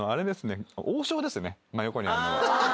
真横にあるのは。